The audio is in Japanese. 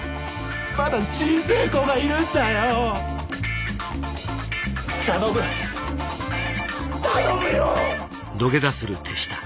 まだ小せぇ子がいるんだよ頼む頼むよ！